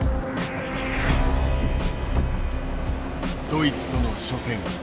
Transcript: ドイツとの初戦